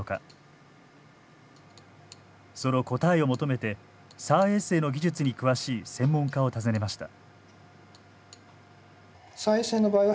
その答えを求めてＳＡＲ衛星の技術に詳しい専門家を訪ねました。